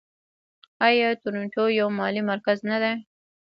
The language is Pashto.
آیا تورنټو یو مالي مرکز نه دی؟